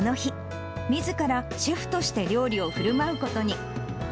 実はこの日、みずからシェフとして料理をふるまうことに。